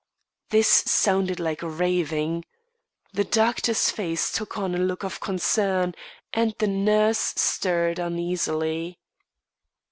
This sounded like raving. The doctor's face took on a look of concern, and the nurse stirred uneasily.